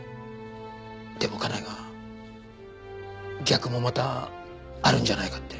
でも家内が逆もまたあるんじゃないかって。